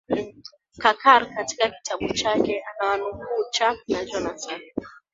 kakar katika kitabu chake anawanukuu chalk na jonassohn